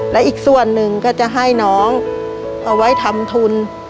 และอีกส่วนหนึ่งก็จะให้น้องเอาไว้ทำทุน